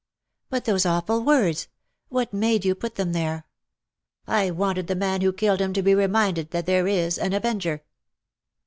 " But those awful words ! What made you put them there ?"" I wanted the man who killed him to be reminded that there is an Avenger.